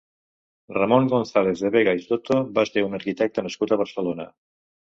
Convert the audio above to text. Ramón González de Vega i Soto va ser un arquitecte nascut a Barcelona.